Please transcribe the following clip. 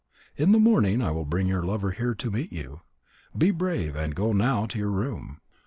In the morning I will bring your lover here to meet you. Be brave and go now to your room."